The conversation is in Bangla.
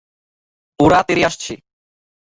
ওরা তেড়ে আসছে।